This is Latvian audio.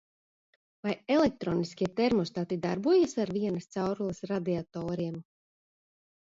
Vai elektroniskie termostati darbojas ar vienas caurules radiatoriem?